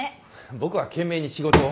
僕は懸命に仕事を。